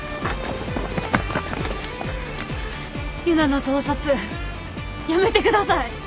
結奈の盗撮やめてください！